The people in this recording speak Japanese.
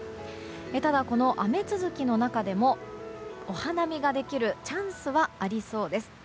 ただ、この雨続きの中でもお花見ができるチャンスはありそうです。